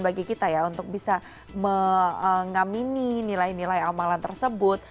bagi kita ya untuk bisa mengamini nilai nilai amalan tersebut